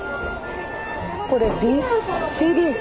これびっしり茶畑。